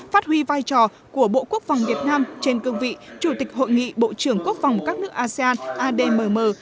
phát huy vai trò của bộ quốc phòng việt nam trên cương vị chủ tịch hội nghị bộ trưởng quốc phòng các nước asean admm